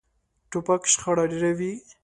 توپک شخړه ډېروي.